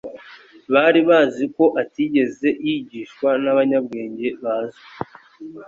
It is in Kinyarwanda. Bari bazi ko atigeze yigishwa n'abanyabwenge bazwi,